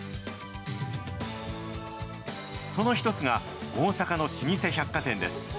その一つが大阪の老舗百貨店です。